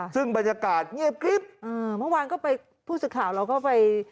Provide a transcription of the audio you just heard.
ซึ่งบรรยากาศเงียบกริ๊บเมื่อวานก็ไปผู้สื่อข่าวเราก็ไป